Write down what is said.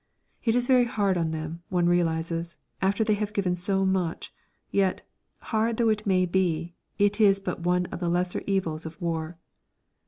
It is very hard on them, one realises, after they have given so much, yet, hard though it may be, it is but one of the lesser evils of war.